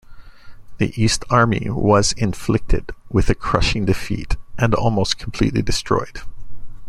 The East Army was inflicted with a crushing defeat and almost completely destroyed.